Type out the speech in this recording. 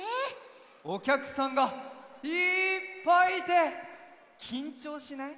おきゃくさんがいっぱいいてきんちょうしない？